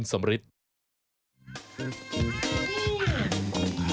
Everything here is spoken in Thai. สวัสดีค่ะ